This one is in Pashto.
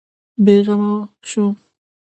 بېغمه شوم.